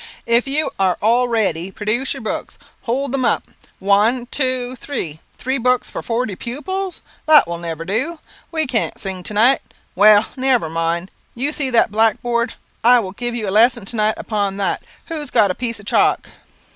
If you are all ready, produce your books. Hold them up. One two three! Three books for forty pupils? That will never do! We can't sing to night; well, never mind. You see that black board; I will give you a lesson to night upon that. Who's got a piece of chalk?"